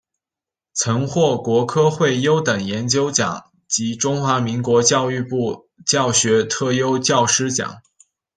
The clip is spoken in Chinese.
曾获国科会优等研究奖及中华民国教育部教学特优教师奖。